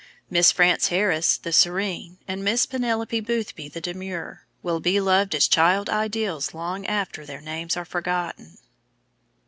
Miss Frances Harris, the serene, and Miss Penelope Boothby, the demure, will be loved as child ideals long after their names are forgotten.